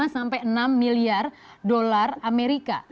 lima sampai enam miliar dolar amerika